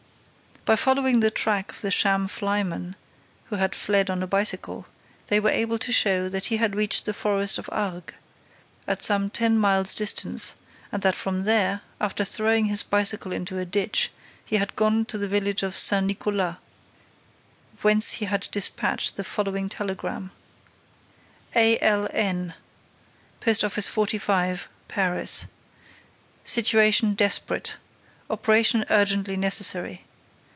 By following the track of the sham flyman, who had fled on a bicycle, they were able to show that he had reached the forest of Arques, at some ten miles' distance, and that from there, after throwing his bicycle into a ditch, he had gone to the village of Saint Nicolas, whence he had dispatched the following telegram: A. L. N., Post office 45, Paris. Situation desperate. Operation urgently necessary.